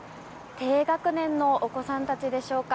低学年のお子さんたちでしょうか。